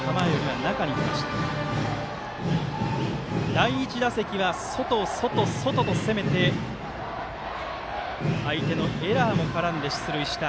第１打席は外、外、外と攻めて相手のエラーも絡んで出塁した